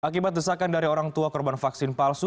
akibat desakan dari orang tua korban vaksin palsu